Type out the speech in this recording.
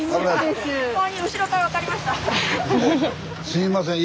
すいません。